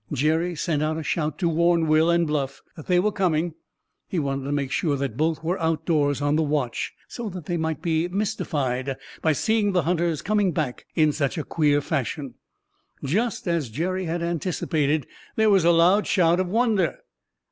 Jerry sent out a shout to warn Will and Bluff that they were coming. He wanted to make sure that both were outdoors on the watch; so that they might be mystified by seeing the hunters coming back in such a queer fashion. Just as Jerry had anticipated, there was a loud shout of wonder.